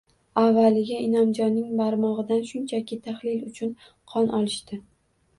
Avvaliga Inomjonning barmog`idan shunchaki tahlil uchun qon olishdi